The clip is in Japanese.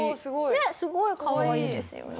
ねっすごいかわいいですよね。